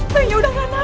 bayinya udah nggak nafas